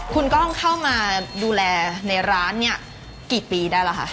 คุณก้องเข้ามาดูแลในร้านนี่